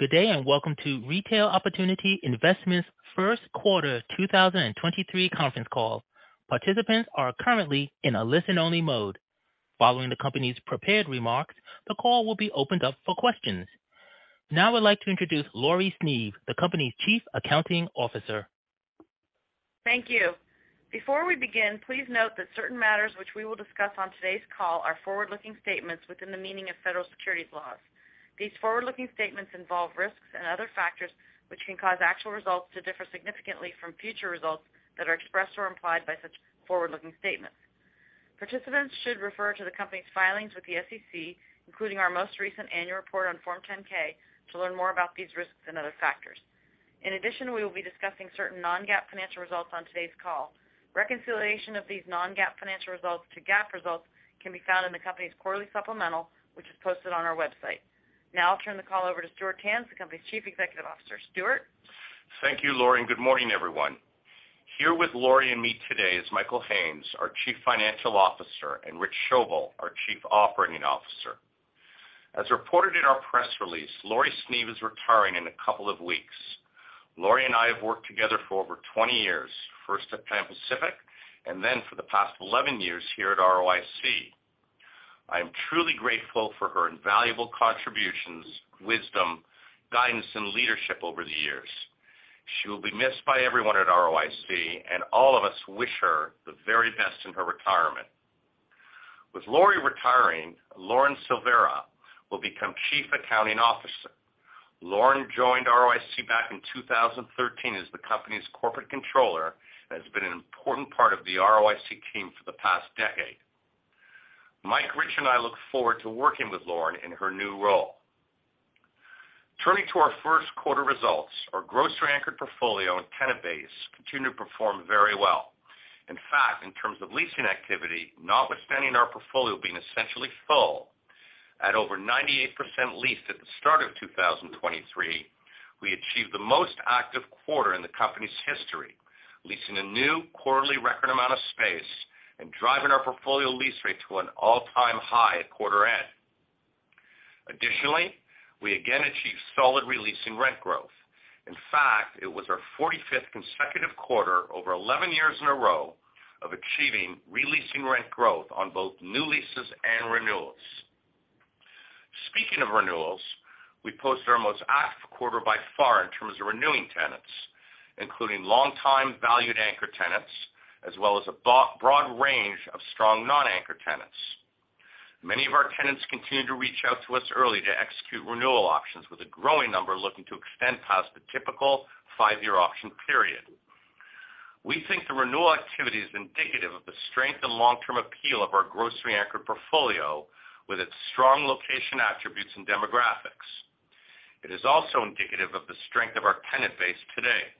Good day. Welcome to Retail Opportunity Investments first quarter 2023 conference call. Participants are currently in a listen-only mode. Following the company's prepared remarks, the call will be opened up for questions. Now I'd like to introduce Laurie Sneve, the company's Chief Accounting Officer. Thank you. Before we begin, please note that certain matters which we will discuss on today's call are forward-looking statements within the meaning of federal securities laws. These forward-looking statements involve risks and other factors which can cause actual results to differ significantly from future results that are expressed or implied by such forward-looking statements. Participants should refer to the company's filings with the SEC, including our most recent annual report on Form 10-K, to learn more about these risks and other factors. In addition, we will be discussing certain non-GAAP financial results on today's call. Reconciliation of these non-GAAP financial results to GAAP results can be found in the company's quarterly supplemental, which is posted on our website. I'll turn the call over to Stuart Tanz, the company's Chief Executive Officer. Stuart? Thank you, Laurie, and good morning, everyone. Here with Laurie and me today is Michael Haines, our Chief Financial Officer, and Rich Schoebel, our Chief Operating Officer. As reported in our press release, Laurie Sneve is retiring in a couple of weeks. Laurie and I have worked together for over 20 years, first at Pan Pacific and then for the past 11 years here at ROIC. I am truly grateful for her invaluable contributions, wisdom, guidance, and leadership over the years. She will be missed by everyone at ROIC, and all of us wish her the very best in her retirement. With Laurie retiring, Lauren Silvera will become Chief Accounting Officer. Lauren joined ROIC back in 2013 as the company's corporate controller and has been an important part of the ROIC team for the past decade. Mike, Rich, and I look forward to working with Lauren in her new role. Turning to our first quarter results, our grocery-anchored portfolio and tenant base continue to perform very well. In fact, in terms of leasing activity, notwithstanding our portfolio being essentially full at over 98% leased at the start of 2023, we achieved the most active quarter in the company's history, leasing a new quarterly record amount of space and driving our portfolio lease rate to an all-time high at quarter end. Additionally, we again achieved solid re-leasing rent growth. In fact, it was our 45th consecutive quarter over 11 years in a row of achieving re-leasing rent growth on both new leases and renewals. Speaking of renewals, we posted our most active quarter by far in terms of renewing tenants, including long-time valued anchor tenants, as well as a broad range of strong non-anchor tenants. Many of our tenants continue to reach out to us early to execute renewal options, with a growing number looking to extend past the typical five year option period. We think the renewal activity is indicative of the strength and long-term appeal of our grocery-anchored portfolio with its strong location attributes and demographics. It is also indicative of the strength of our tenant base today.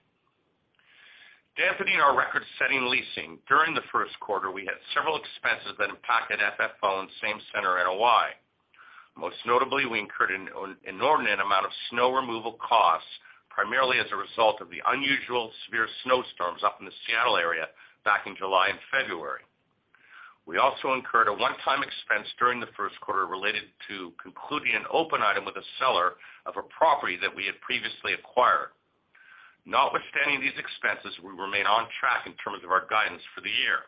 Dampening our record-setting leasing, during the first quarter, we had several expenses that impacted FFO and same center NOI. Most notably, we incurred an inordinate amount of snow removal costs, primarily as a result of the unusual severe snowstorms up in the Seattle area back in July and February. We also incurred a one-time expense during the first quarter related to concluding an open item with a seller of a property that we had previously acquired. Notwithstanding these expenses, we remain on track in terms of our guidance for the year.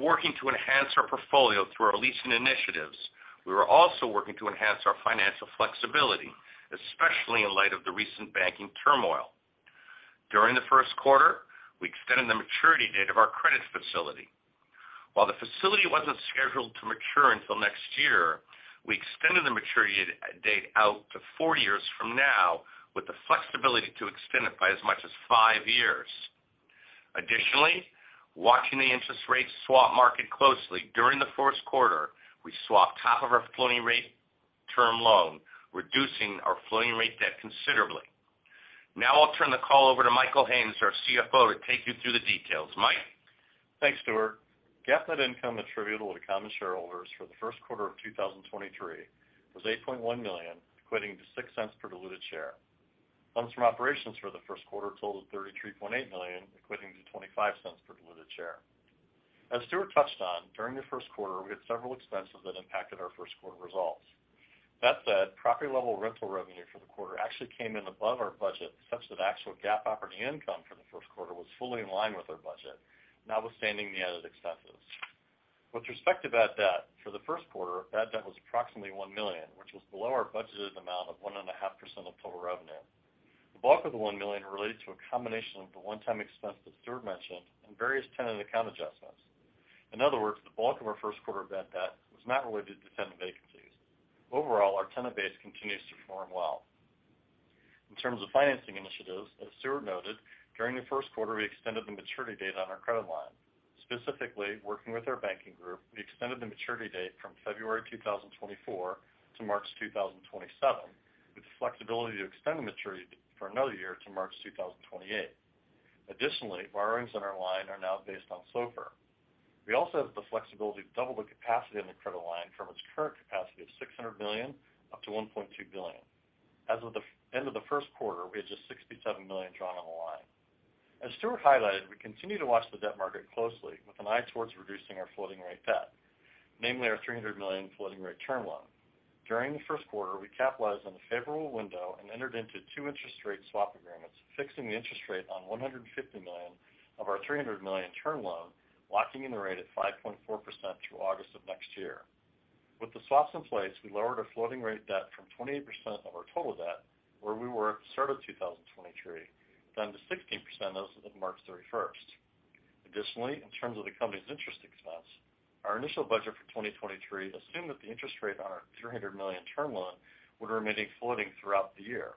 Working to enhance our portfolio through our leasing initiatives, we are also working to enhance our financial flexibility, especially in light of the recent banking turmoil. During the first quarter, we extended the maturity date of our credit facility. While the facility wasn't scheduled to mature until next year, we extended the maturity date out to 4 years from now, with the flexibility to extend it by as much as 5 years. Watching the interest rate swap market closely, during the first quarter, we swapped top of our floating rate term loan, reducing our floating rate debt considerably. I'll turn the call over to Michael Haines, our CFO, to take you through the details. Mike? Thanks, Stuart. GAAP net income attributable to common shareholders for the first quarter of 2023 was $8.1 million, equating to $0.06 per diluted share. Funds from operations for the first quarter totaled $33.8 million, equating to $0.25 per diluted share. As Stuart touched on, during the first quarter, we had several expenses that impacted our first quarter results. Property level rental revenue for the quarter actually came in above our budget, such that actual GAAP operating income for the first quarter was fully in line with our budget, notwithstanding the added expenses. With respect to bad debt, for the first quarter, bad debt was approximately $1 million, which was below our budgeted amount of 1.5% of total revenue. The bulk of the $1 million related to a combination of the one-time expense that Stuart mentioned and various tenant account adjustments. In other words, the bulk of our first quarter bad debt was not related to tenant vacancies. Overall, our tenant base continues to perform well. In terms of financing initiatives, as Stuart noted, during the first quarter we extended the maturity date on our credit line. Specifically, working with our banking group, we extended the maturity date from February 2024 to March 2027, with the flexibility to extend the maturity for one year to March 2028. Additionally, borrowings on our line are now based on SOFR. We also have the flexibility to double the capacity on the credit line from its current capacity of $600 million up to $1.2 billion. As of the end of the first quarter, we had just $67 million drawn on the line. As Stuart highlighted, we continue to watch the debt market closely with an eye towards reducing our floating rate debt, namely our $300 million floating rate term loan. During the first quarter, we capitalized on the favorable window and entered into two interest rate swap agreements, fixing the interest rate on $150 million of our $300 million term loan, locking in the rate at 5.4% through August of next year. With the swaps in place, we lowered our floating rate debt from 28% of our total debt, where we were at the start of 2023, down to 16% as of March 31st. Additionally, in terms of the company's interest expense, our initial budget for 2023 assumed that the interest rate on our $300 million term loan would remain floating throughout the year.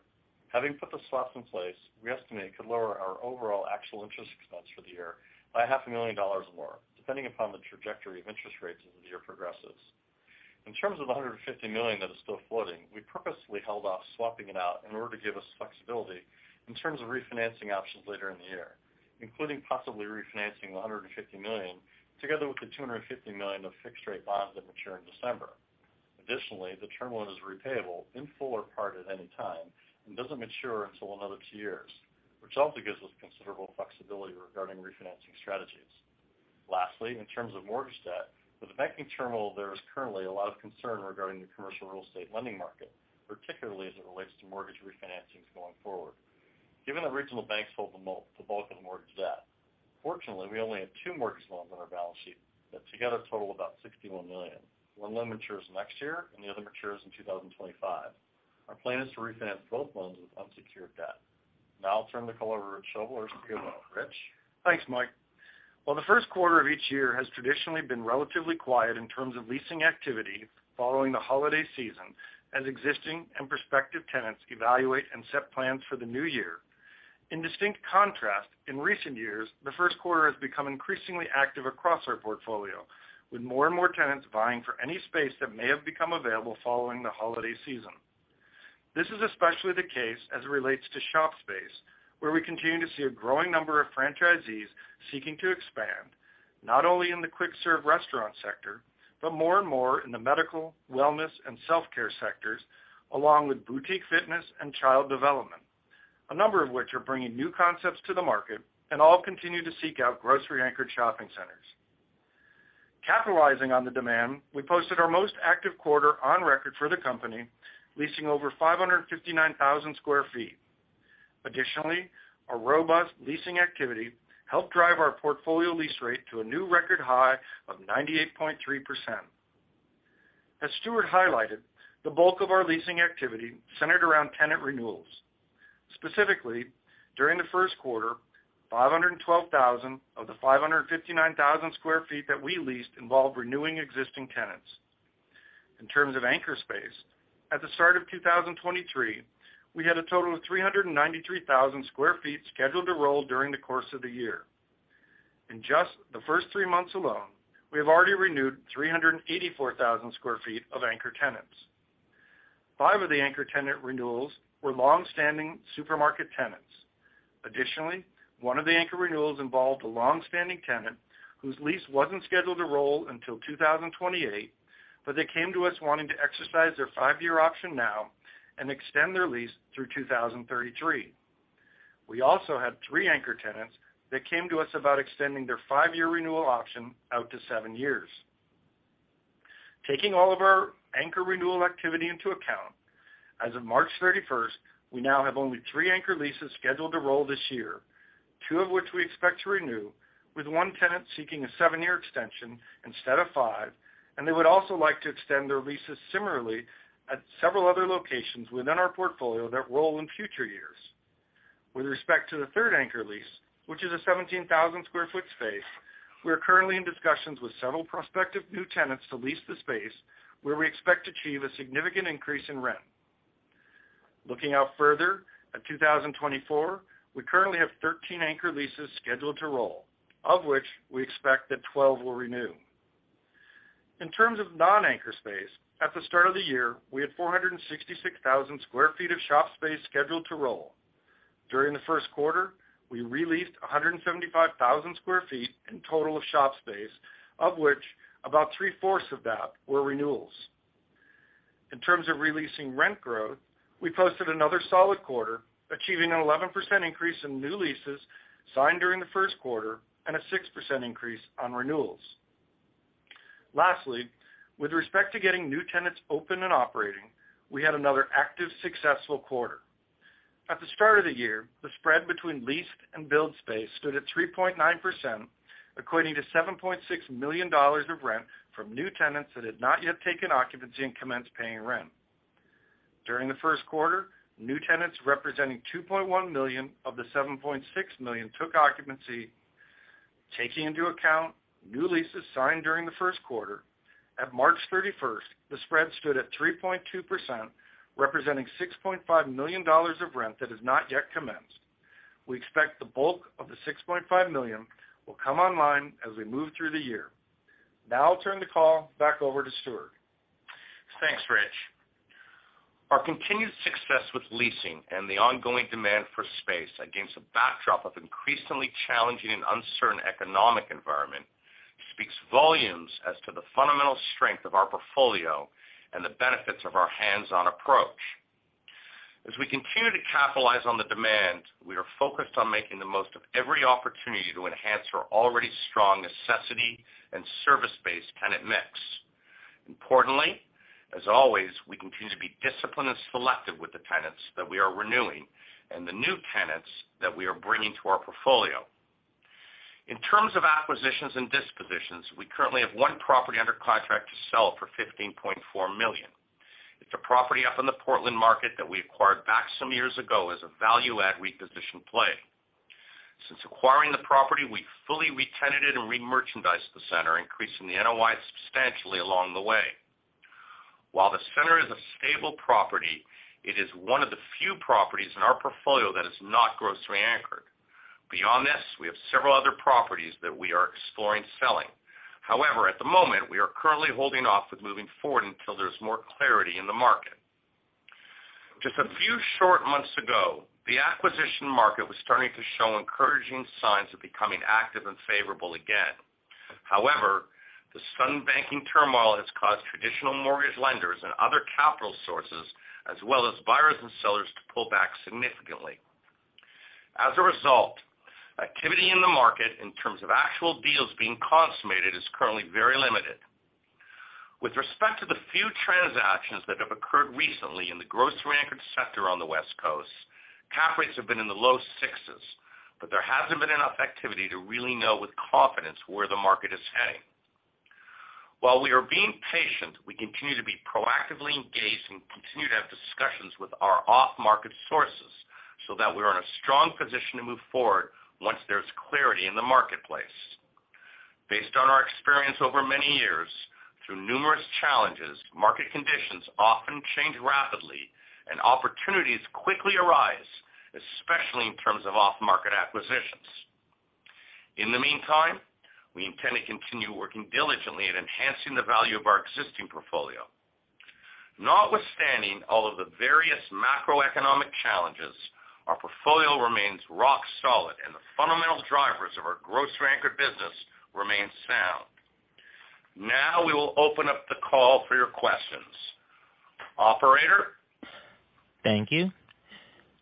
Having put the swaps in place, we estimate it could lower our overall actual interest expense for the year by half a million dollars or more, depending upon the trajectory of interest rates as the year progresses. In terms of the $150 million that is still floating, we purposefully held off swapping it out in order to give us flexibility in terms of refinancing options later in the year, including possibly refinancing the $150 million together with the $250 million of fixed-rate bonds that mature in December. The term loan is repayable in full or part at any time and doesn't mature until another two years, which also gives us considerable flexibility regarding refinancing strategies. In terms of mortgage debt, with the banking turmoil, there is currently a lot of concern regarding the commercial real estate lending market, particularly as it relates to mortgage refinancings going forward. Given that regional banks hold the bulk of the mortgage debt, fortunately, we only have two mortgage loans on our balance sheet that together total about $61 million. One loan matures next year, and the other matures in 2025. Our plan is to refinance both loans with unsecured debt. I'll turn the call over to Rich Schoebel. Rich? Thanks, Mike. While the first quarter of each year has traditionally been relatively quiet in terms of leasing activity following the holiday season, as existing and prospective tenants evaluate and set plans for the new year. In distinct contrast, in recent years, the first quarter has become increasingly active across our portfolio, with more and more tenants vying for any space that may have become available following the holiday season. This is especially the case as it relates to shop space, where we continue to see a growing number of franchisees seeking to expand not only in the quick-serve restaurant sector, but more and more in the medical, wellness, and self-care sectors, along with boutique fitness and child development, a number of which are bringing new concepts to the market, and all continue to seek out grocery-anchored shopping centers. Capitalizing on the demand, we posted our most active quarter on record for the company, leasing over 559,000 sq ft. Our robust leasing activity helped drive our portfolio lease rate to a new record high of 98.3%. As Stuart highlighted, the bulk of our leasing activity centered around tenant renewals. During the first quarter, 512,000 of the 559,000 sq ft that we leased involved renewing existing tenants. In terms of anchor space, at the start of 2023, we had a total of 393,000 sq ft scheduled to roll during the course of the year. In just the first three months alone, we have already renewed 384,000 sq ft of anchor tenants. Five of the anchor tenant renewals were long-standing supermarket tenants. Additionally, one of the anchor renewals involved a long-standing tenant whose lease wasn't scheduled to roll until 2028, but they came to us wanting to exercise their five year option now and extend their lease through 2033. We also had three anchor tenants that came to us about extending their five year renewal option out to seven years. Taking all of our anchor renewal activity into account, as of March 31st, we now have only three anchor leases scheduled to roll this year, two of which we expect to renew, with one tenant seeking a seven year extension instead of five, and they would also like to extend their leases similarly at several other locations within our portfolio that roll in future years. With respect to the third anchor lease, which is a 17,000 sq ft space, we are currently in discussions with several prospective new tenants to lease the space, where we expect to achieve a significant increase in rent. Looking out further at 2024, we currently have 13 anchor leases scheduled to roll, of which we expect that 12 will renew. In terms of non-anchor space, at the start of the year, we had 466,000 square feet of shop space scheduled to roll. During the first quarter, we re-leased 175,000 sq ft in total of shop space, of which about three-quarter of that were renewals. In terms of re-leasing rent growth, we posted another solid quarter, achieving an 11% increase in new leases signed during the first quarter and a 6% increase on renewals. With respect to getting new tenants open and operating, we had another active, successful quarter. At the start of the year, the spread between leased and build space stood at 3.9%, according to $7.6 million of rent from new tenants that had not yet taken occupancy and commenced paying rent. During the first quarter, new tenants representing $2.1 million of the $7.6 million took occupancy. Taking into account new leases signed during the first quarter, at March 31st, the spread stood at 3.2%, representing $6.5 million of rent that has not yet commenced. We expect the bulk of the $6.5 million will come online as we move through the year. I'll turn the call back over to Stuart Tanz. Thanks, Rich. Our continued success with leasing and the ongoing demand for space against a backdrop of increasingly challenging and uncertain economic environment speaks volumes as to the fundamental strength of our portfolio and the benefits of our hands-on approach. As we continue to capitalize on the demand, we are focused on making the most of every opportunity to enhance our already strong necessity and service-based tenant mix. Importantly, as always, we continue to be disciplined and selective with the tenants that we are renewing and the new tenants that we are bringing to our portfolio. In terms of acquisitions and dispositions, we currently have one property under contract to sell for $15.4 million. It's a property up in the Portland market that we acquired back some years ago as a value add reposition play. Since acquiring the property, we fully re-tenanted and re-merchandised the center, increasing the NOI substantially along the way. While the center is a stable property, it is one of the few properties in our portfolio that is not grocery anchored. Beyond this, we have several other properties that we are exploring selling. At the moment, we are currently holding off with moving forward until there's more clarity in the market. Just a few short months ago, the acquisition market was starting to show encouraging signs of becoming active and favorable again. The sudden banking turmoil has caused traditional mortgage lenders and other capital sources, as well as buyers and sellers, to pull back significantly. Activity in the market in terms of actual deals being consummated is currently very limited. With respect to the few transactions that have occurred recently in the grocery anchored sector on the West Coast, cap rates have been in the low sixes, but there hasn't been enough activity to really know with confidence where the market is heading. While we are being patient, we continue to be proactively engaged and continue to have discussions with our off-market sources so that we are in a strong position to move forward once there's clarity in the marketplace. Based on our experience over many years through numerous challenges, market conditions often change rapidly and opportunities quickly arise, especially in terms of off-market acquisitions. In the meantime, we intend to continue working diligently at enhancing the value of our existing portfolio. Notwithstanding all of the various macroeconomic challenges, our portfolio remains rock solid, and the fundamental drivers of our grocery-anchored business remain sound. Now we will open up the call for your questions. Operator? Thank you.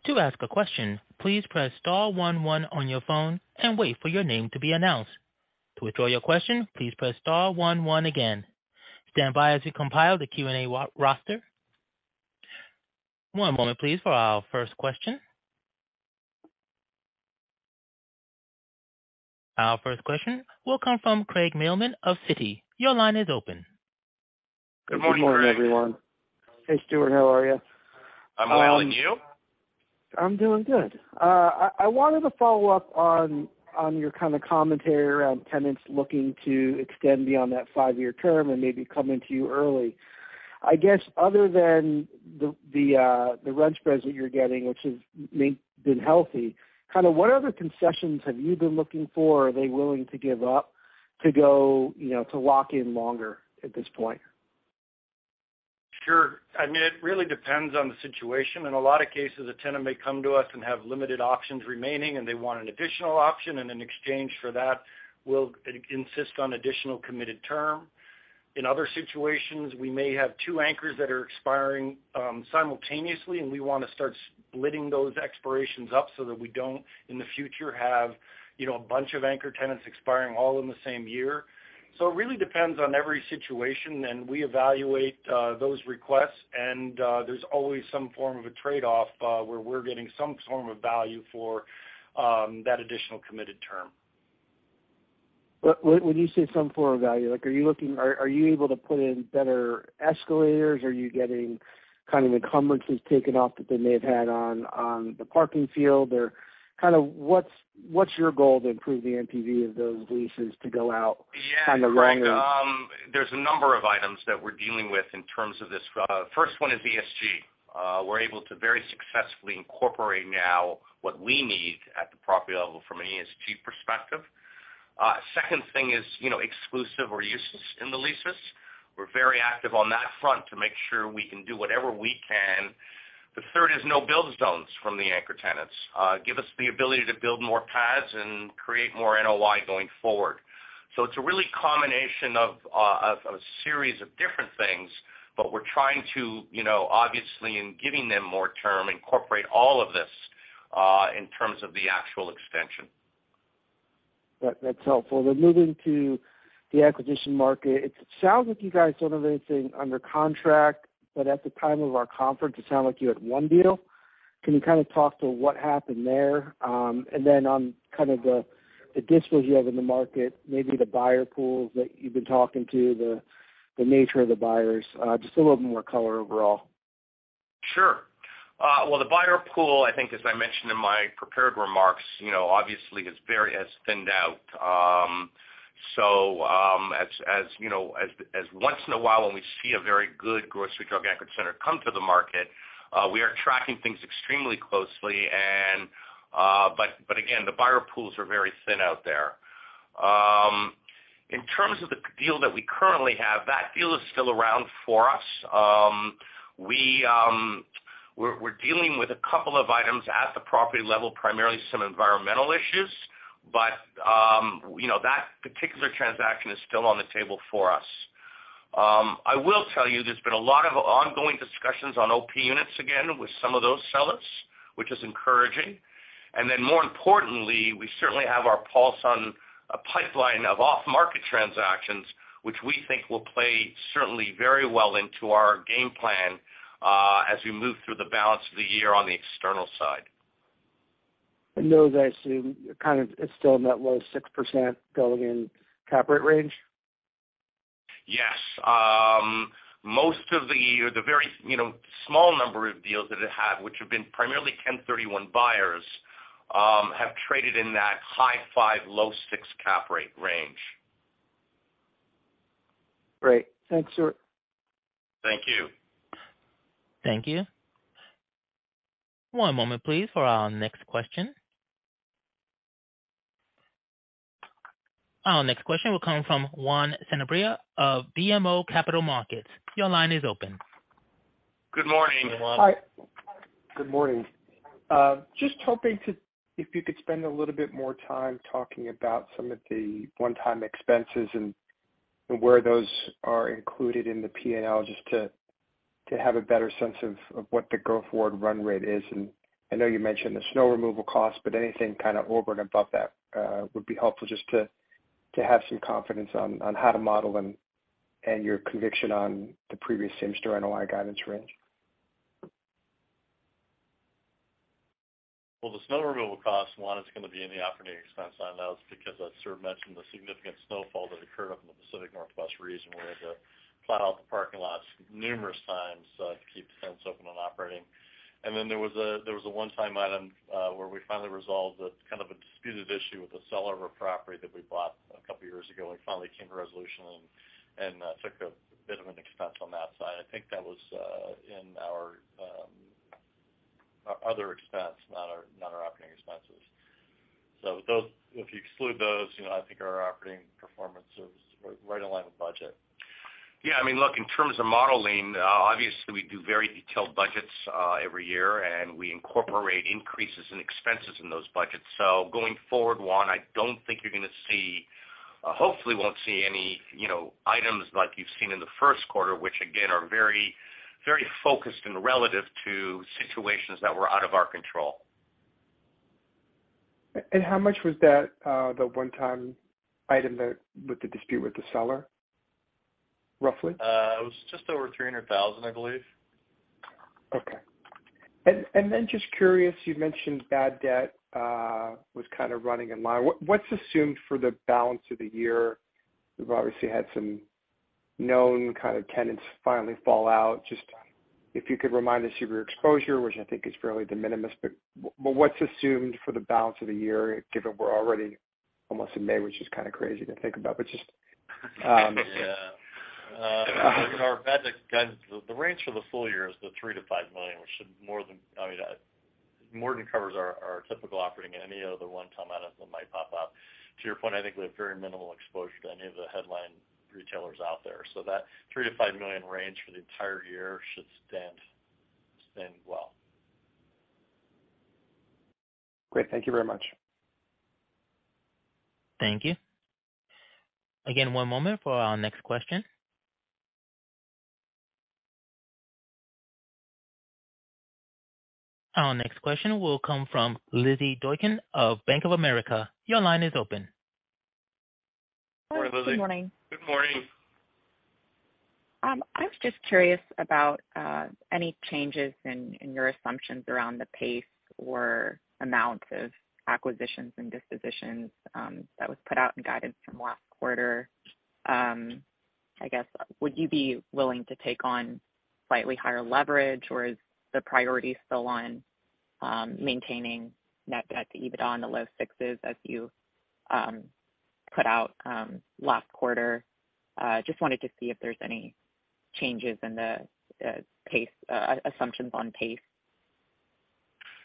To ask a question, please press star one one on your phone and wait for your name to be announced. To withdraw your question, please press star one one again. Stand by as we compile the Q&A roster. One moment please for our first question. Our first question will come from Craig Mailman of Citi. Your line is open. Good morning. Good morning, everyone. Hey Stuart, how are you? I'm well, and you? I'm doing good. I wanted to follow up on your kind of commentary around tenants looking to extend beyond that five-year term and maybe coming to you early. I guess other than the rent spreads that you're getting, which has been healthy, kind of what other concessions have you been looking for? Are they willing to give up to go, you know, to lock in longer at this point? Sure. I mean, it really depends on the situation. In a lot of cases, a tenant may come to us and have limited options remaining, and they want an additional option, and in exchange for that, we'll insist on additional committed term. In other situations, we may have two anchors that are expiring, simultaneously, and we want to start splitting those expirations up so that we don't, in the future, have, you know, a bunch of anchor tenants expiring all in the same year. It really depends on every situation, and we evaluate those requests, and there's always some form of a trade-off, where we're getting some form of value for that additional committed term. When you say some form of value, like, Are you able to put in better escalators? Are you getting kind of encumbrances taken off that they may have had on the parking field? Kind of what's your goal to improve the MPV of those leases to go out on the longer-? Yeah. There's a number of items that we're dealing with in terms of this. First one is ESG. We're able to very successfully incorporate now what we need at the property level from an ESG perspective. Second thing is, you know, exclusive or uses in the leases. We're very active on that front to make sure we can do whatever we can. The third is no build zones from the anchor tenants, give us the ability to build more pads and create more NOI going forward. It's really a combination of series of different things, but we're trying to, you know, obviously in giving them more term, incorporate all of this in terms of the actual extension. That's helpful. Moving to the acquisition market, it sounds like you guys sort of had something under contract, but at the time of our conference, it sounded like you had one deal. Can you kind of talk to what happened there? On kind of the dispos you have in the market, maybe the buyer pools that you've been talking to, the nature of the buyers, just a little bit more color overall. Sure. The buyer pool, I think as I mentioned in my prepared remarks, obviously has thinned out. As once in a while when we see a very good grocery drug anchor center come to the market, we are tracking things extremely closely and, but again, the buyer pools are very thin out there. In terms of the deal that we currently have, that deal is still around for us. We're dealing with a couple of items at the property level, primarily some environmental issues, but that particular transaction is still on the table for us. I will tell you there's been a lot of ongoing discussions on OP units again with some of those sellers, which is encouraging. More importantly, we certainly have our pulse on a pipeline of off-market transactions, which we think will play certainly very well into our game plan, as we move through the balance of the year on the external side. Those I assume are kind of still in that low 6% going in cap rate range. Yes. Most of the or the very, you know, small number of deals that it had, which have been primarily 1031 buyers, have traded in that high five, low six cap rate range. Great. Thanks, Stuart. Thank you. Thank you. One moment please for our next question. Our next question will come from Juan Sanabria of BMO Capital Markets. Your line is open. Good morning, Juan. Hi. Good morning. Just if you could spend a little bit more time talking about some of the one-time expenses and where those are included in the P&L, just to have a better sense of what the go forward run rate is? I know you mentioned the snow removal costs, but anything kind of over and above that would be helpful just to have some confidence on how to model and your conviction on the previous same-store NOI guidance range? The snow removal cost, Juan, is gonna be in the operating expense line now because as Stuart mentioned, the significant snowfall that occurred up in the Pacific Northwest region, we had to plow out the parking lots numerous times to keep the tenants open and operating. Then there was a one-time item where we finally resolved a kind of a disputed issue with the seller of a property that we bought a couple of years ago, and finally came to a resolution and took a bit of an expense on that side. I think that was in our other expense, not our operating expenses. Those if you exclude those, you know, I think our operating performance is right in line with budget. Yeah. I mean, look, in terms of modeling, obviously we do very detailed budgets, every year, and we incorporate increases in expenses in those budgets. Going forward, Juan, I don't think you're gonna see, hopefully won't see any, you know, items like you've seen in the first quarter, which again are very, very focused and relative to situations that were out of our control. How much was that, the one time item that with the dispute with the seller, roughly? It was just over $300,000, I believe. Okay. Just curious, you mentioned bad debt was kind of running in line. What's assumed for the balance of the year? We've obviously had some known kind of tenants finally fall out. Just if you could remind us of your exposure, which I think is fairly de minimis, but what's assumed for the balance of the year given we're already almost in May, which is kind of crazy to think about, but just. Yeah. In our bad debt guidance, the range for the full year is the $3 million-$5 million, which should more than covers our typical operating and any other one-time items that might pop up. To your point, I think we have very minimal exposure to any of the headline retailers out there. That $3 million-$5 million range for the entire year should stand well. Great. Thank you very much. Thank you. Again, one moment for our next question. Our next question will come from Lizzy Doykan of Bank of America. Your line is open. Good morning, Lizzie. Good morning. Good morning. I was just curious about any changes in your assumptions around the pace or amount of acquisitions and dispositions, that was put out in guidance from last quarter. I guess, would you be willing to take on slightly higher leverage, or is the priority still on maintaining net debt to EBITDA in the low sixes as you put out last quarter? Just wanted to see if there's any changes in the pace assumptions on pace.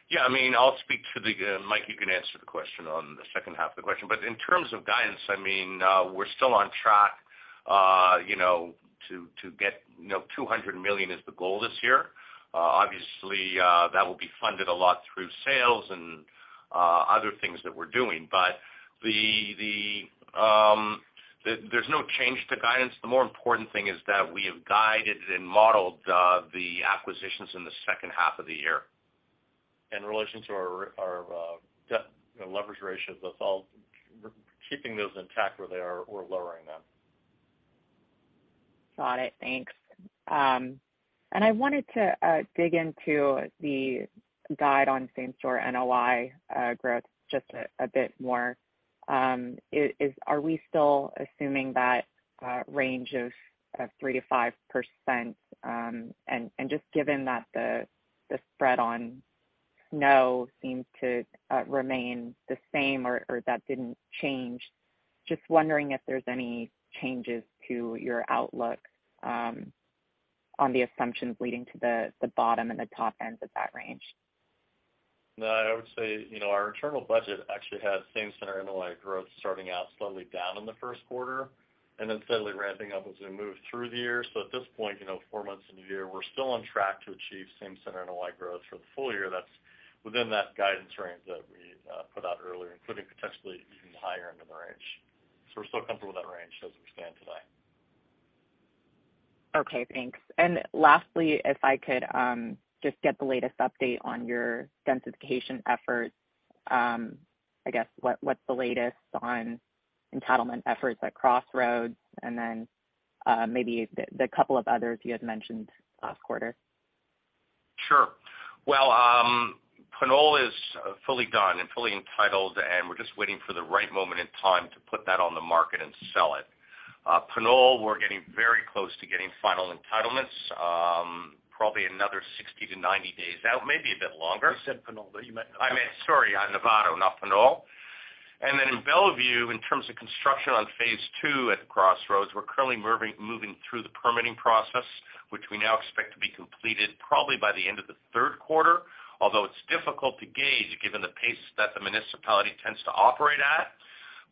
Yeah, I mean, I'll speak to the, Mike, you can answer the question on the second half of the question. In terms of guidance, I mean, we're still on track, you know, to get, you know, $200 million is the goal this year. Obviously, that will be funded a lot through sales and other things that we're doing. There's no change to guidance. The more important thing is that we have guided and modeled, the acquisitions in the second half of the year. In relation to our debt, you know, leverage ratios, that's all. We're keeping those intact where they are. We're lowering them. Got it. Thanks. I wanted to dig into the guide on same store NOI growth just a bit more. Are we still assuming that range of 3% to 5%? Just given that the spread on NOI seems to remain the same or that didn't change, just wondering if there's any changes to your outlook on the assumptions leading to the bottom and the top ends of that range. I would say, you know, our internal budget actually has same center NOI growth starting out slightly down in the first quarter and then steadily ramping up as we move through the year. At this point, you know, four months into the year, we're still on track to achieve same center NOI growth for the full year. That's within that guidance range that we. Put out earlier, including potentially even the higher end of the range. We're still comfortable with that range as we stand today. Okay, thanks. Lastly, if I could, just get the latest update on your densification efforts. I guess what's the latest on entitlement efforts at Crossroads? Then maybe the couple of others you had mentioned last quarter. Sure. Well, Pannell is fully done and fully entitled, and we're just waiting for the right moment in time to put that on the market and sell it. Pannell, we're getting very close to getting final entitlements. Probably another 60-90 days out, maybe a bit longer. You said Pannell, but you meant. I meant, sorry, Novato, not Pannell. In Bellevue, in terms of construction on phase II at Crossroads, we're currently moving through the permitting process, which we now expect to be completed probably by the end of the third quarter, although it's difficult to gauge given the pace that the municipality tends to operate at.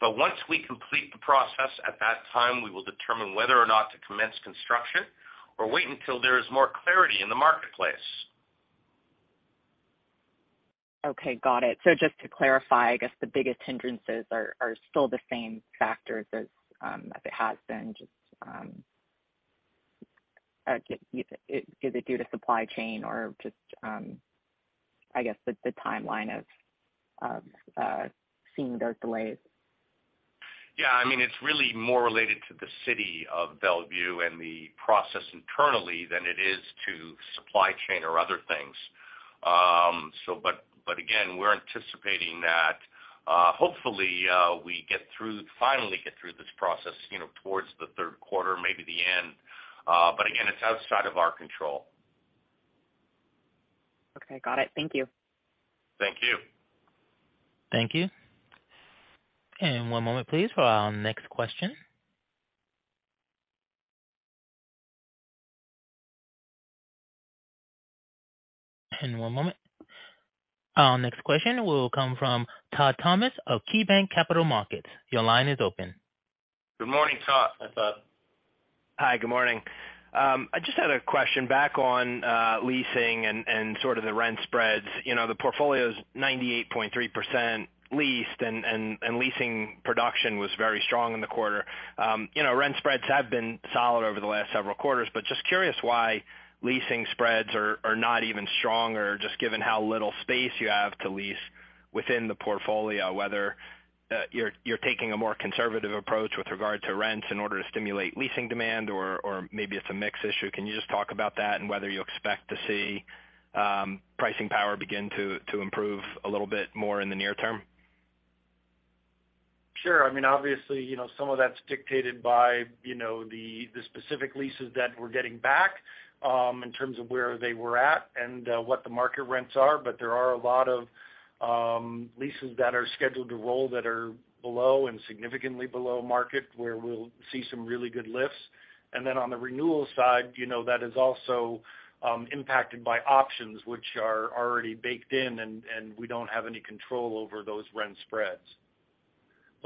Once we complete the process, at that time, we will determine whether or not to commence construction or wait until there is more clarity in the marketplace. Okay, got it. just to clarify, I guess the biggest hindrances are still the same factors as it has been just, Is it due to supply chain or just, I guess the timeline of, seeing those delays? Yeah, I mean, it's really more related to the city of Bellevue and the process internally than it is to supply chain or other things. Again, we're anticipating that, hopefully, we finally get through this process, you know, towards the third quarter, maybe the end. Again, it's outside of our control. Okay, got it. Thank you. Thank you. Thank you. One moment please for our next question. One moment. Our next question will come from Todd Thomas of KeyBanc Capital Markets. Your line is open. Good morning, Todd. Hi, Todd. Hi, good morning. I just had a question back on leasing and sort of the rent spreads. You know, the portfolio is 98.3% leased and leasing production was very strong in the quarter. You know, rent spreads have been solid over the last several quarters, just curious why leasing spreads are not even stronger, just given how little space you have to lease within the portfolio. Whether you're taking a more conservative approach with regard to rents in order to stimulate leasing demand or maybe it's a mix issue. Can you just talk about that and whether you expect to see pricing power begin to improve a little bit more in the near term? Sure. I mean, obviously, you know, some of that's dictated by, you know, the specific leases that we're getting back, in terms of where they were at and what the market rents are. There are a lot of leases that are scheduled to roll that are below and significantly below market, where we'll see some really good lifts. On the renewal side, you know, that is also impacted by options which are already baked in and we don't have any control over those rent spreads.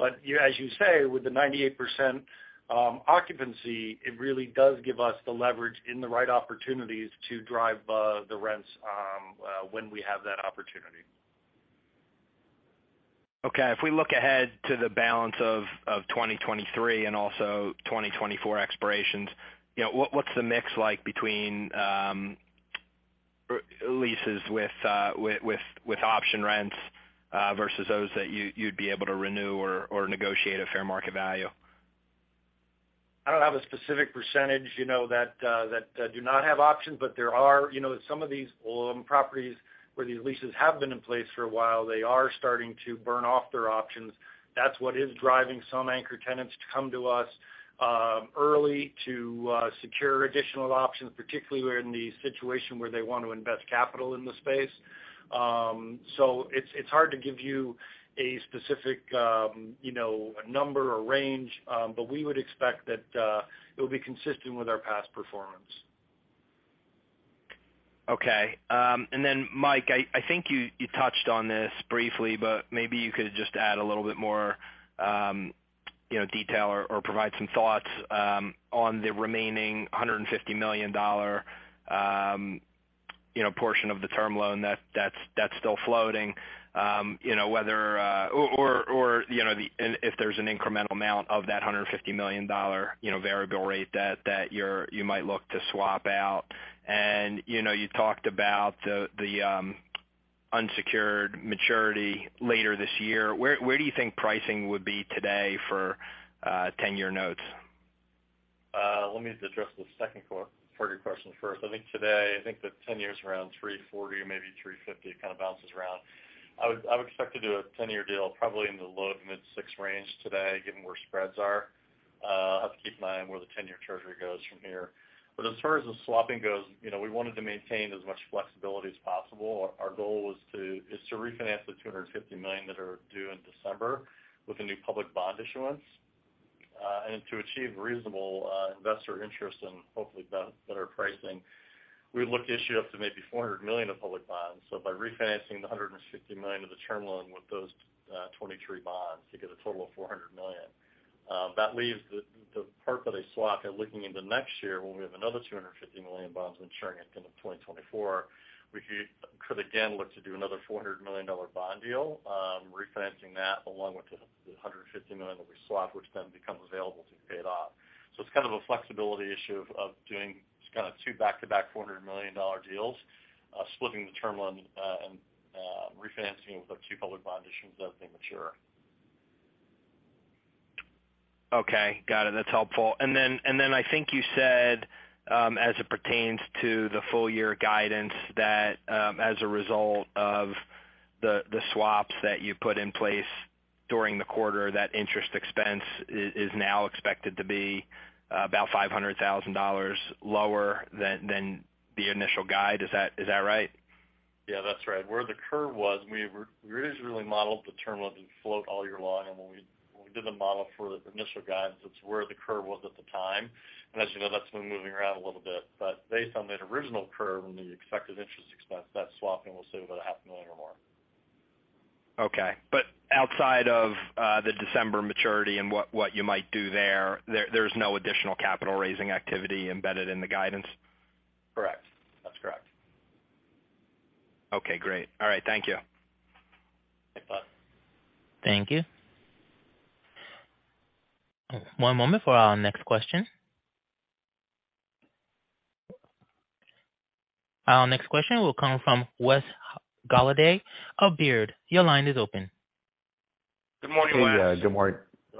As you say, with the 98% occupancy, it really does give us the leverage in the right opportunities to drive the rents when we have that opportunity. Okay. If we look ahead to the balance of 2023 and also 2024 expirations, you know, what's the mix like between leases with option rents versus those that you'd be able to renew or negotiate a fair market value? I don't have a specific percentage, you know, that do not have options, but there are, you know, some of these properties where these leases have been in place for a while, they are starting to burn off their options. That's what is driving some anchor tenants to come to us, early to secure additional options, particularly we're in the situation where they want to invest capital in the space. It's hard to give you a specific, you know, a number or range, but we would expect that, it'll be consistent with our past performance. Okay. Michael Haines, I think you touched on this briefly, but maybe you could just add a little bit more, you know, detail or provide some thoughts, on the remaining $150 million, you know, portion of the term loan that's still floating. You know, whether or if there's an incremental amount of that $150 million, you know, variable rate that you might look to swap out. You know, you talked about the unsecured maturity later this year. Where, where do you think pricing would be today for, 10-year notes? Let me address the second part of your question first. Today, I think the 10-year is around 3.40, maybe 3.50. It kind of bounces around. I would expect to do a 10-year deal probably in the low to mid six range today, given where spreads are. I'll have to keep an eye on where the 10-year Treasury goes from here. As far as the swapping goes, you know, we wanted to maintain as much flexibility as possible. Our goal is to refinance the $250 million that are due in December with a new public bond issuance. To achieve reasonable investor interest and hopefully better pricing, we look to issue up to maybe $400 million of public bonds by refinancing the $150 million of the term loan with those 23 bonds to get a total of $400 million. That leaves the part that I swap and looking into next year when we have another $250 million bonds maturing at the end of 2024, we could again look to do another $400 million bond deal, refinancing that along with the $150 million that we swap, which then becomes available to be paid off. It's kind of a flexibility issue of doing just kind of two back-to-back $400 million deals, splitting the term loan, and refinancing with our two public bond issues as they mature. Okay. Got it. That's helpful. I think you said, as it pertains to the full year guidance that, as a result of the swaps that you put in place during the quarter, that interest expense is now expected to be about $500,000 lower than the initial guide. Is that right? Yeah, that's right. Where the curve was, we originally modeled the term of the float all year long, when we did the model for the initial guidance, it's where the curve was at the time. As you know, that's been moving around a little bit. Based on that original curve and the expected interest expense, that swapping will save about a half million or more. Okay. outside of the December maturity and what you might do there's no additional capital raising activity embedded in the guidance? Correct. That's correct. Okay, great. All right. Thank you. Thanks, Bud. Thank you. One moment for our next question. Our next question will come from Wes Golladay of Baird. Your line is open. Good morning, Wes. Hey, good morning.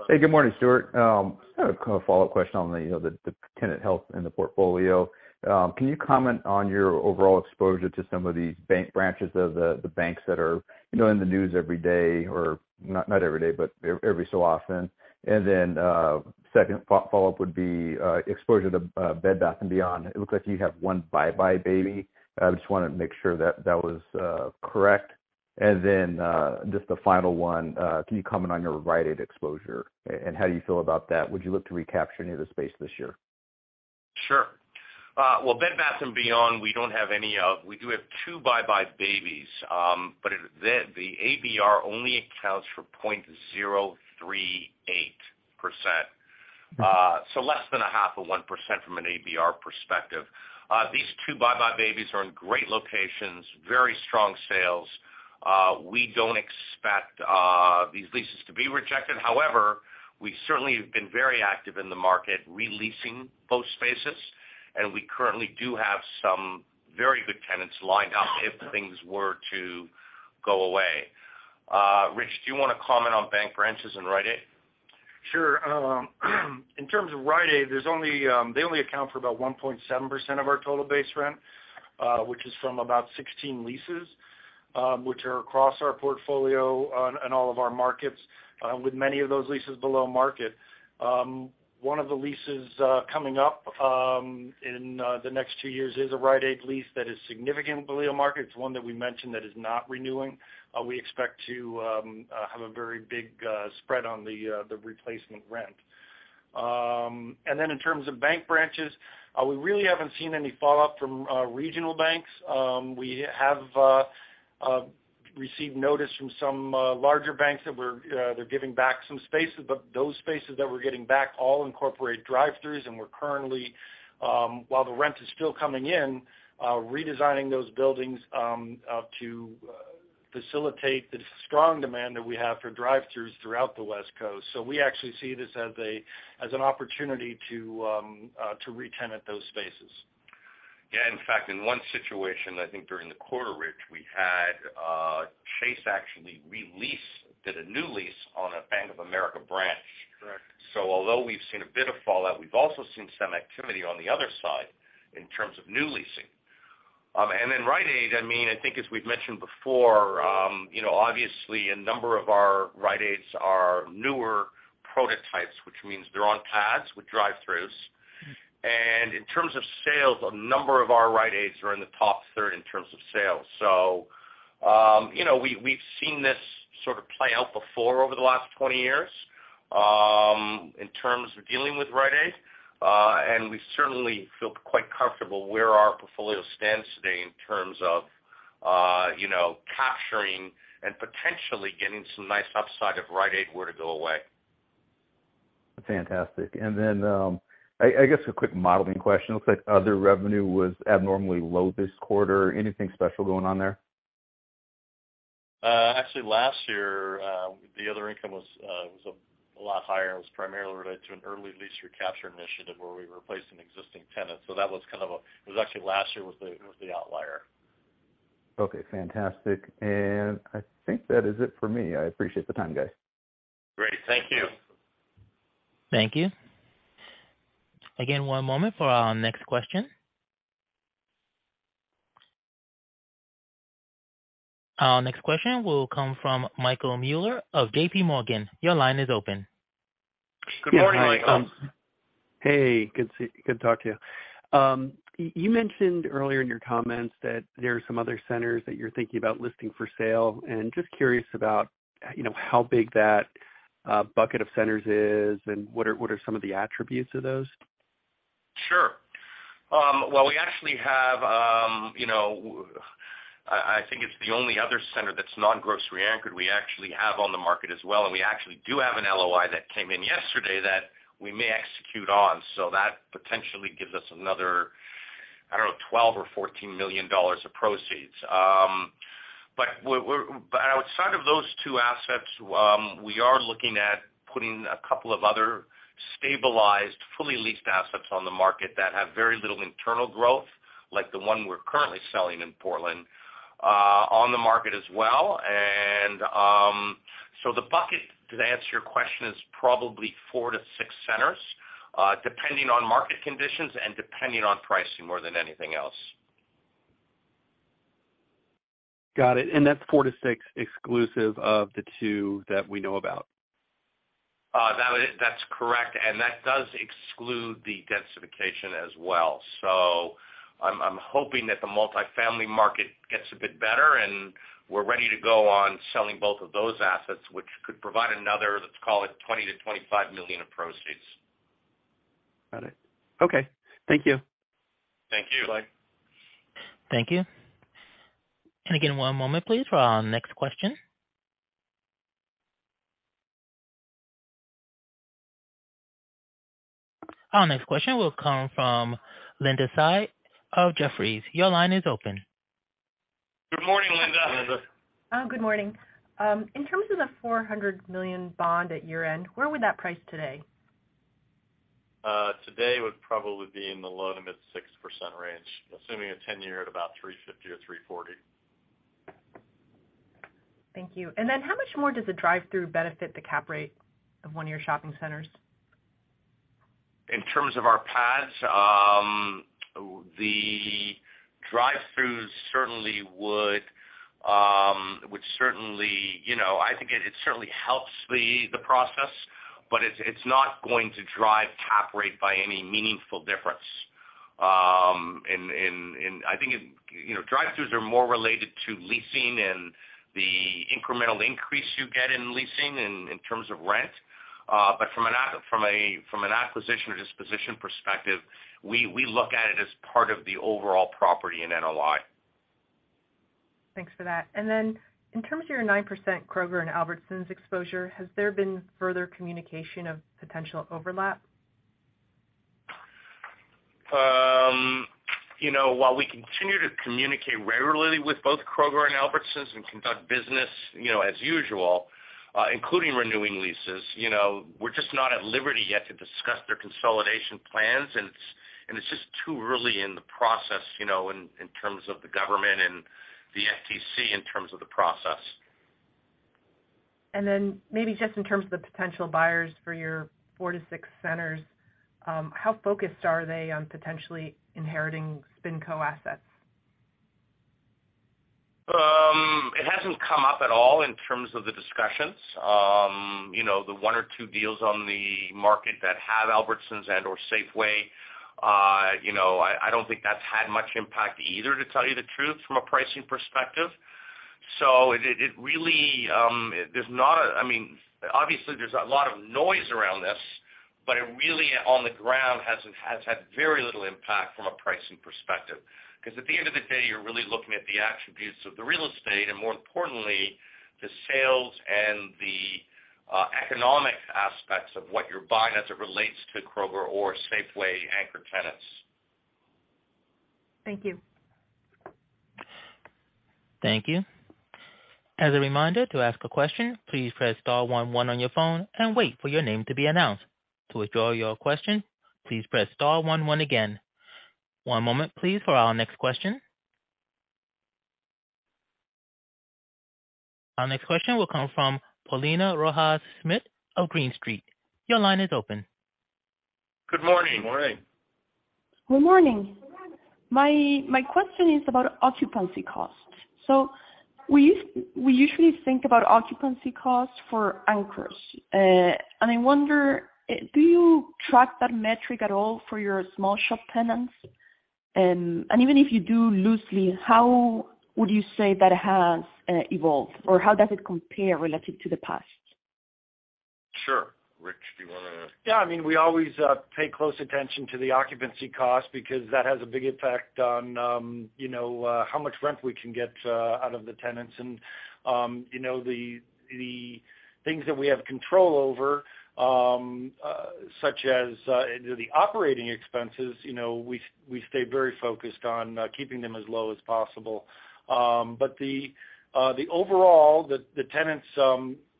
Hey, good morning, Stuart Tanz. Just kind of a follow-up question on the, you know, the tenant health in the portfolio. Can you comment on your overall exposure to some of these bank branches of the banks that are, you know, in the news every day or not every day, but every so often. Second follow-up would be exposure to Bed Bath & Beyond. It looks like you have one buybuy BABY. I just wanna make sure that that was correct. Just the final one, can you comment on your Rite Aid exposure and how you feel about that? Would you look to recapture any of the space this year? Sure. Well, Bed Bath & Beyond, we don't have any of. We do have two buybuy Babies, but the ABR only accounts for 0.038%. Less than a half of 1% from an ABR perspective. These two buybuy Babies are in great locations, very strong sales. We don't expect, these leases to be rejected. However, we certainly have been very active in the market re-leasing both spaces, and we currently do have some very good tenants lined up if things were to go away. Rich, do you wanna comment on bank branches and Rite Aid? Sure. In terms of Rite Aid, there's only, they only account for about 1.7% of our total base rent, which is from about 16 leases, which are across our portfolio in all of our markets, with many of those leases below market. One of the leases coming up in the next two years is a Rite Aid lease that is significantly below market. It's one that we mentioned that is not renewing. We expect to have a very big spread on the replacement rent. Then in terms of bank branches, we really haven't seen any fallout from regional banks. We have received notice from some larger banks that we're they're giving back some spaces. Those spaces that we're getting back all incorporate drive-throughs. We're currently while the rent is still coming in redesigning those buildings to facilitate the strong demand that we have for drive-throughs throughout the West Coast. We actually see this as an opportunity to re-tenant those spaces. Yeah. In fact, in one situation, I think during the quarter, Rich, we had Chase actually re-lease, did a new lease on a Bank of America branch. Correct. Although we've seen a bit of fallout, we've also seen some activity on the other side in terms of new leasing. Rite Aid, I mean, I think as we've mentioned before, you know, obviously a number of our Rite Aids are newer prototypes, which means they're on pads with drive-throughs. Mm-hmm. In terms of sales, a number of our Rite Aids are in the top third in terms of sales. You know, we've seen this sort of play out before over the last 20 years in terms of dealing with Rite Aid. We certainly feel quite comfortable where our portfolio stands today in terms of, you know, capturing and potentially getting some nice upside if Rite Aid were to go away. Fantastic. Then, I guess a quick modeling question. Looks like other revenue was abnormally low this quarter. Anything special going on there? Actually last year, the other income was a lot higher. It was primarily related to an early lease recapture initiative where we replaced an existing tenant. That was it was actually last year was the outlier. Okay, fantastic. I think that is it for me. I appreciate the time, guys. Great. Thank you. Thank you. Again, one moment for our next question. Our next question will come from Michael Mueller of JPMorgan. Your line is open. Good morning, Michael. Hey, good to talk to you. You mentioned earlier in your comments that there are some other centers that you're thinking about listing for sale. Just curious about, you know, how big that bucket of centers is. What are some of the attributes of those? Sure. Well, we actually have, you know, I think it's the only other center that's non-grocery anchored. We actually have on the market as well. We actually do have an LOI that came in yesterday that we may execute on. That potentially gives us another, I don't know, $12 million-$14 million of proceeds. Outside of those two assets, we are looking at putting a couple of other stabilized, fully leased assets on the market that have very little internal growth, like the one we're currently selling in Portland, on the market as well. The bucket, to answer your question, is probably four to six centers, depending on market conditions and depending on pricing more than anything else. Got it. That's four to six exclusive of the two that we know about. That's correct. That does exclude the densification as well. I'm hoping that the multifamily market gets a bit better, and we're ready to go on selling both of those assets, which could provide another, let's call it $20 million-$25 million of proceeds. Got it. Okay. Thank you. Thank you. Bye. Thank you. again, one moment please, for our next question. Our next question will come from Linda Tsai of Jefferies. Your line is open. Good morning, Linda. Linda. Good morning. In terms of the $400 million bond at year-end, where would that price today? Today would probably be in the low to mid 6% range, assuming a 10-year at about 350 or 340. Thank you. Then how much more does the drive-through benefit the cap rate of one of your shopping centers? In terms of our pads, the drive-throughs would certainly, you know, I think it certainly helps the process, but it's not going to drive cap rate by any meaningful difference. I think, you know, drive-throughs are more related to leasing and the incremental increase you get in leasing in terms of rent. From an acquisition or disposition perspective, we look at it as part of the overall property in NOI. Thanks for that. Then in terms of your 9% Kroger and Albertsons exposure, has there been further communication of potential overlap? You know, while we continue to communicate regularly with both Kroger and Albertsons and conduct business, you know, as usual, including renewing leases, you know, we're just not at liberty yet to discuss their consolidation plans. It's just too early in the process, you know, in terms of the government and the FTC in terms of the process. Maybe just in terms of the potential buyers for your four to six centers, how focused are they on potentially inheriting SpinCo assets? It hasn't come up at all in terms of the discussions. You know, the one or two deals on the market that have Albertsons and/or Safeway, you know, I don't think that's had much impact either, to tell you the truth, from a pricing perspective. It really, I mean, obviously, there's a lot of noise around this, but it really on the ground has had very little impact from a pricing perspective. Because at the end of the day, you're really looking at the attributes of the real estate and more importantly, the sales and the economic aspects of what you're buying as it relates to Kroger or Safeway anchor tenants. Thank you. Thank you. As a reminder, to ask a question, please press star one one on your phone and wait for your name to be announced. To withdraw your question, please press star one one again. One moment please for our next question. Our next question will come from Paulina Rojas Schmidt of Green Street. Your line is open. Good morning. Good morning. My question is about occupancy costs. We usually think about occupancy costs for anchors. I wonder, do you track that metric at all for your small shop tenants? Even if you do loosely, how would you say that it has evolved, or how does it compare relative to the past? Sure. Rich, do you wanna. Yeah. I mean, we always pay close attention to the occupancy cost because that has a big effect on, you know, how much rent we can get out of the tenants. You know, the things that we have control over, such as the operating expenses, you know, we stay very focused on keeping them as low as possible. The overall, the tenants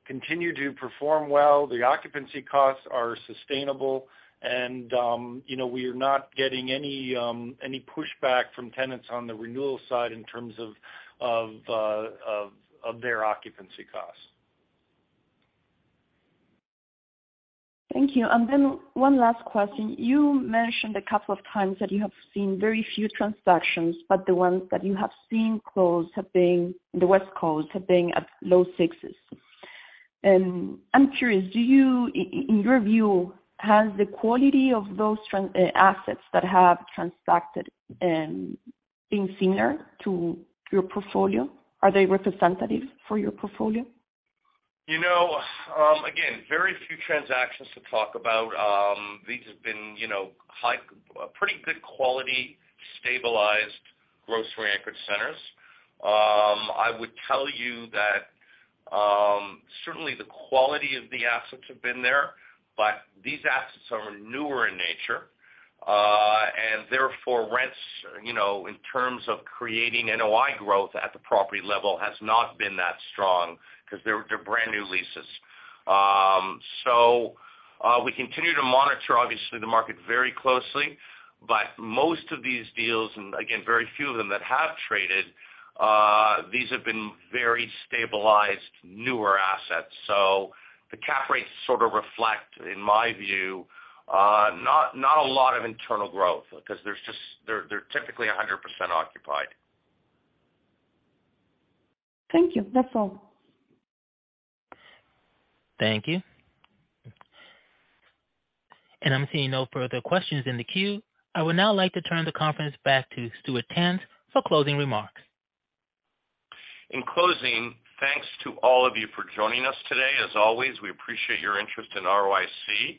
continue to perform well. The occupancy costs are sustainable. You know, we are not getting any pushback from tenants on the renewal side in terms of their occupancy costs. Thank you. One last question. You mentioned a couple of times that you have seen very few transactions, but the ones that you have seen close have been in the West Coast, have been at low sixes. I'm curious, do you in your view, has the quality of those assets that have transacted, been similar to your portfolio? Are they representative for your portfolio? You know, again, very few transactions to talk about. These have been, you know, pretty good quality stabilized grocery-anchored centers. I would tell you that, certainly the quality of the assets have been there, but these assets are newer in nature. Therefore, rents, you know, in terms of creating NOI growth at the property level has not been that strong because they're brand new leases. We continue to monitor obviously the market very closely, but most of these deals, and again, very few of them that have traded, these have been very stabilized newer assets. The cap rates sort of reflect, in my view, not a lot of internal growth because they're typically 100% occupied. Thank you. That's all. Thank you. I'm seeing no further questions in the queue. I would now like to turn the conference back to Stuart Tanz for closing remarks. In closing, thanks to all of you for joining us today. As always, we appreciate your interest in ROIC.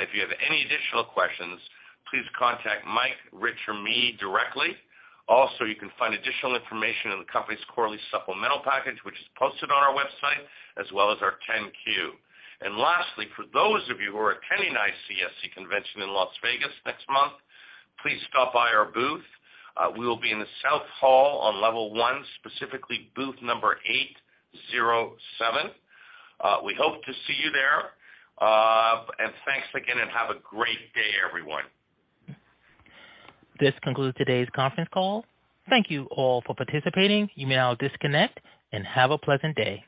If you have any additional questions, please contact Mike, Rich, or me directly. You can find additional information in the company's quarterly supplemental package, which is posted on our website as well as our 10-Q. Lastly, for those of you who are attending ICSC convention in Las Vegas next month, please stop by our booth. We will be in the South Hall on level 1, specifically booth number 807. We hope to see you there. Thanks again, and have a great day, everyone. This concludes today's conference call. Thank Thank you all for participating. You may now disconnect and have a pleasant day.